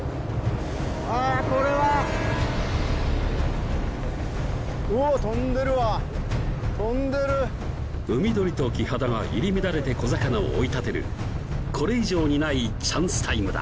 あこれはおっ飛んでるわ飛んでる海鳥とキハダが入り乱れて小魚を追い立てるこれ以上にないチャンスタイムだ